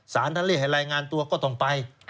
สารท่านเรียกให้รายงานตัวก็ต้องไป